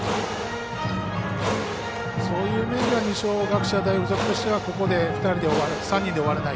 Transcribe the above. そういう面では二松学舎大付属としてはここで３人で終われない。